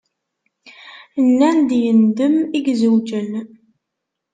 Nan-d yendem i izewǧen.